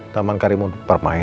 taman karimun permai